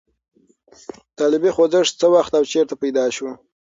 طالبي خوځښت څه وخت او چېرته پیدا شو؟